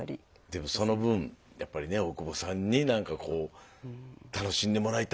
でもその分やっぱりね大久保さんになんかこう楽しんでもらいたいっていうのは。